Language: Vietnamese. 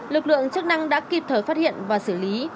lực lượng chức năng đã kịp thời phát hiện và xử lý